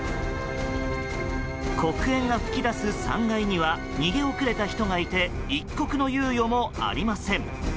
黒煙が噴き出す３階には逃げ遅れた人がいて一刻の猶予もありません。